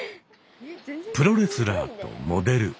プロレスラーとモデル。